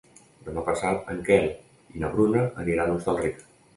Demà passat en Quel i na Bruna aniran a Hostalric.